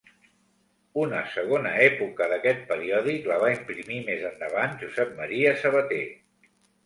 Una segona època d'aquest periòdic la va imprimir més endavant Josep Maria Sabater.